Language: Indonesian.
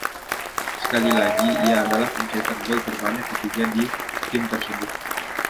Sekali lagi, ia adalah pencetak gol terbanyak ketiga di tim tersebut.